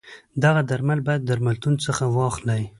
دغه درمل باید درملتون څخه واخلی.